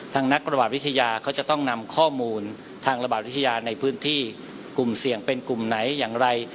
นักระบาดวิทยาเขาจะต้องนำข้อมูลทางระบาดวิทยาในพื้นที่กลุ่มเสี่ยงเป็นกลุ่มไหนอย่างไร